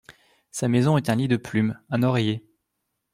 Sa maison est un lit de plume, un oreiller.